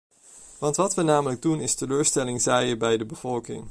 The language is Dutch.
Want wat we namelijk doen is teleurstelling zaaien bij de bevolking.